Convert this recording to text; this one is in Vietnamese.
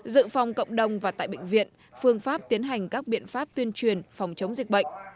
dự phòng cộng đồng và tại bệnh viện phương pháp tiến hành các biện pháp tuyên truyền phòng chống dịch bệnh